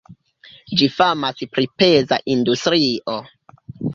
Ĝi famas pri peza industrio.